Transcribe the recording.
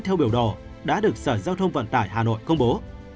theo biểu đỏ đã được sở giao thông vận tải hà nội công bố